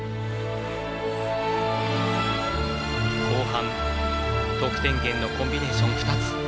後半、得点源のコンビネーション２つ。